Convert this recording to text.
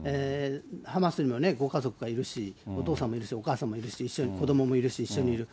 ハマスにもご家族がいるし、お父さんもいるし、お母さんもいるし、一緒に子どももいるし、一緒にいる。